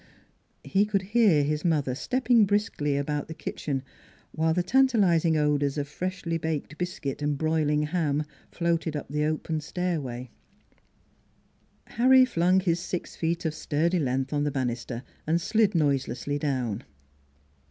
He could hear his mother stepping briskly about the kitchen, while the tantalizing odors of freshly baked biscuit and broiling ham floated up the open stairway. Harry flung his six feet of sturdy length on the banister and slid noiselessly down.